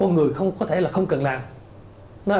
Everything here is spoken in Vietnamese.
người không có thể là không cần làm